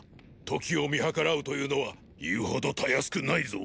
刻を見計らうというのは言うほど容易くないぞ。